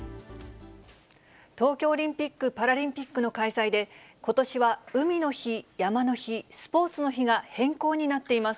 東京オリンピック・パラリンピックの開催で、ことしは海の日、山の日、スポーツの日が変更になっています。